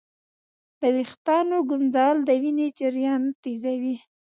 د ویښتانو ږمنځول د وینې جریان تېزوي.